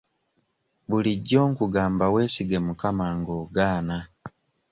Bulijjo nkugamba weesige mukama nga ogaana.